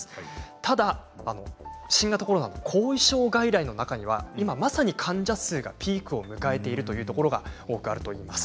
ただ新型コロナの後遺症外来の中には今まさに患者数がピークを迎えているというところが多くあるといいます。